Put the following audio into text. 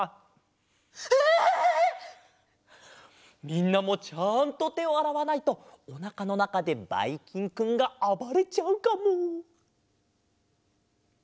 みんなもちゃんとてをあらわないとおなかのなかでばいきんくんがあばれちゃうかも！